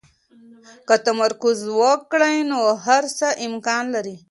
که تمرکز وکړئ، نو هر څه امکان لري.